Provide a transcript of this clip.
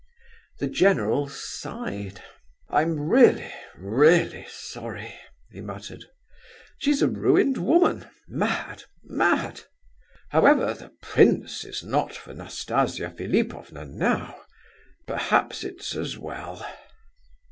The general sighed. "I'm sorry, really sorry," he muttered. "She's a ruined woman. Mad! mad! However, the prince is not for Nastasia Philipovna now,—perhaps it's as well."